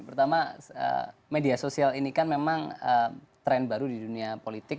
pertama media sosial ini kan memang tren baru di dunia politik